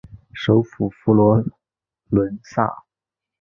首府佛罗伦萨。